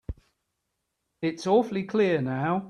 It's awfully clear now.